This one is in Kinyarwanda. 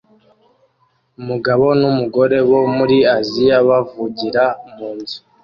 Umugabo n'umugore bo muri Aziya bavugira munzu